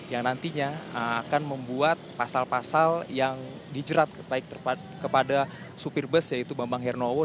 yang nantinya akan membuat pasal pasal yang dijerat kepada supir bus yaitu bambang hernowo